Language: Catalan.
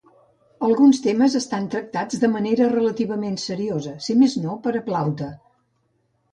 Alguns temes estan tractats de manera relativament seriosa, si més no per a Plaute.